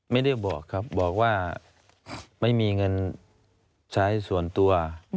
ไม่ได้บอกครับบอกว่าไม่มีเงินใช้ส่วนตัว